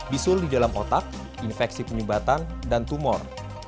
bisul di dalam otak infeksi penyumbatan dan tumor